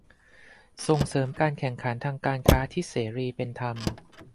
ส่งเสริมการแข่งขันทางการค้าที่เสรี เป็นธรรม